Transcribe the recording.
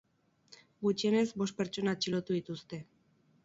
Gutxienez bost pertsona atxilotu dituzte.